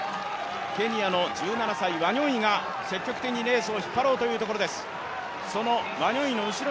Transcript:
ケニアの１７歳、ワニョンイが積極的にレースを引っ張ろうというところです。